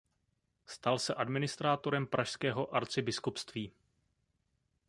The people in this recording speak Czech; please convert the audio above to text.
Stal se administrátorem Pražského arcibiskupství.